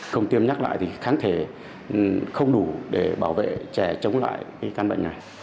không tiêm nhắc lại thì kháng thể không đủ để bảo vệ trẻ chống lại cái căn bệnh này